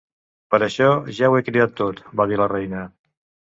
"Per això, ja ho he cridat tot", va dir la reina.